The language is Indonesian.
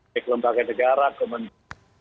dari lembaga negara ke menteri